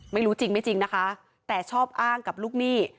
ไม่รู้จริงนะคะแต่ชอบอ้างกับลูกหนี้